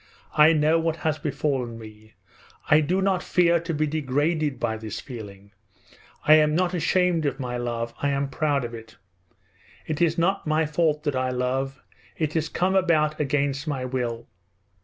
I know what has befallen me. I do not fear to be degraded by this feeling, I am not ashamed of my love, I am proud of it. It is not my fault that I love. It has come about against my will.